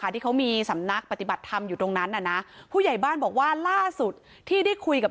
ที่เขามีสำนักปฏิบัติธรรมอยู่ตรงนั้นน่ะนะผู้ใหญ่บ้านบอกว่าล่าสุดที่ได้คุยกับ